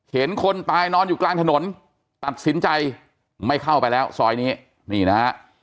คนตายนอนอยู่กลางถนนตัดสินใจไม่เข้าไปแล้วซอยนี้นี่นะฮะ